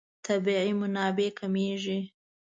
طبیعي منابع کمېږي.